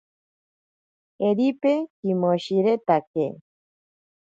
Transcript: Jeripe kimoshiretake.